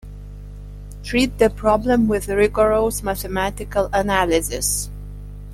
Treat the problem with rigorous mathematical analysis.